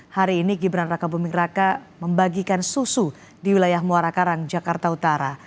hari ini gibran raka buming raka membagikan susu di wilayah muara karang jakarta utara